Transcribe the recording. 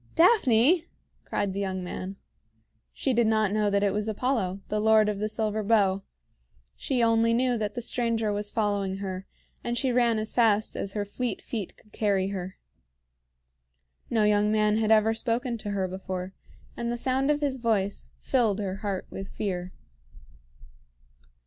"Daphne!" cried the young man. She did not know that it was Apollo, the Lord of the Silver Bow; she only knew that the stranger was following her, and she ran as fast as her fleet feet could carry her. No young man had ever spoken to her before, and the sound of his voice filled her heart with fear.